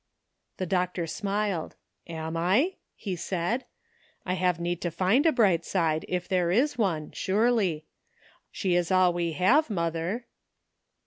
The doctor smiled. " Am 1?" he said. '' I have need to find a bright side, if there is one, surely. She is all we have, mother."